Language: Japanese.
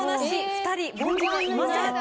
２人凡人はいません。